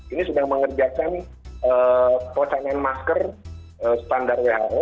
ini sudah mengerjakan pocahinen masker standar who